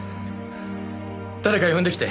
誰か呼んできて！